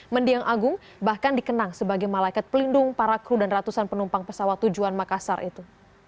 mendiang agung bahkan dikenang sebagai malaikat pelindung para kru dan ratusan penumpang pesawat tujuan makassar itu